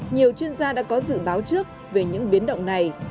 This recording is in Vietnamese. nhiều chuyên gia đã có dự báo trước về những biến động này